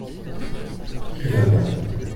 il va bien.